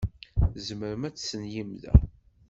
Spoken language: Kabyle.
Tzemrem ad testenyim da?